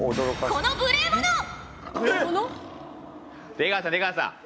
出川さん出川さん。